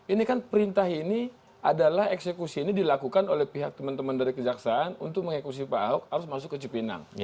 ini kan perintah ini adalah eksekusi ini dilakukan oleh pihak teman teman dari kejaksaan untuk mengeksekusi pak ahok harus masuk ke cipinang